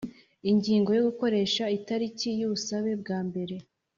Ingingo yo Gukoresha itariki y ubusabe bwa mbere